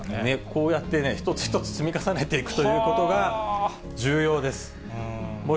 こうやって一つ一つ積み重ねていくということが、重要です。